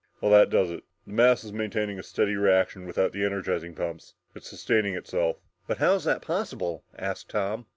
"Well, that does it. The mass is maintaining a steady reaction without the energizing pumps. It's sustaining itself!" "But how is that possible?" asked Tom.